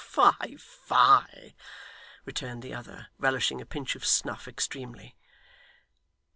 Fie, fie!' returned the other, relishing a pinch of snuff extremely.